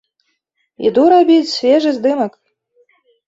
Іду рабіць свежы здымак.